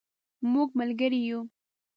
مونږ ملګری یو